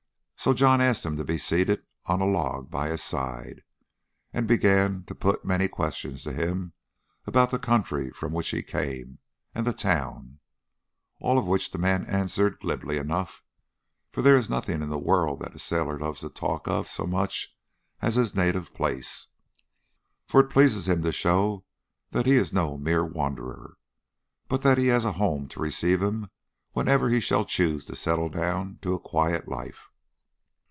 So John asked him to be seated on a log by his side, and began to put many questions to him about the country from which he came, and the town. All which the man answered glibly enough, for there is nothing in the world that a sailor loves to talk of so much as of his native place, for it pleases him to show that he is no mere wanderer, but that he has a home to receive him whenever he shall choose to settle down to a quiet life.